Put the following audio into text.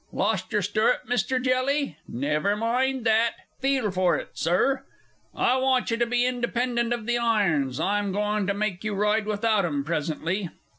Lost your stirrup, Mr. Jelly? Never mind that feel for it, Sir. I want you to be independent of the irons. I'm going to make you ride without 'em presently.